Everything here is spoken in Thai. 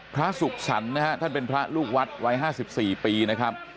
พระสุขสรรค์นะฮะท่านเป็นพระลูกวัดวัย๕๔ปีนะครับ